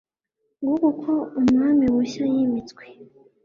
Nguko uko umwami mushya yimitswe